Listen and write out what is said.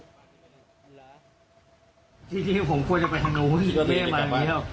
ที่นี่ผมควรจะไปทางนู้น